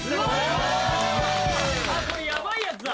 あっこれヤバいやつだ